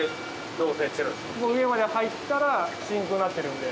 上まで入ったら真空になってるんで。